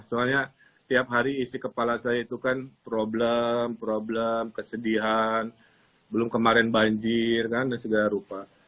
soalnya tiap hari isi kepala saya itu kan problem problem kesedihan belum kemarin banjir kan dan segala rupa